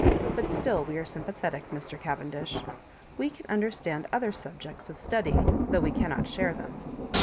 But still we are sympathetic, Mr. Cavendish. We can understand other subjects of study, though we cannot share them.